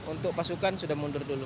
untuk pasukan sudah mundur dulu